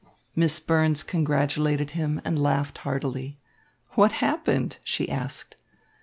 Miss Burns congratulated him and laughed heartily. "What happened?" she asked.